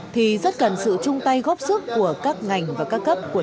thì rất cần sự chung tay góp sức của các ngành và các cấp